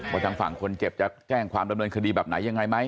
ทางฝั่งคนเจ็บจะแจ้งความดำเนินคดีแบบไหนยังไงไหม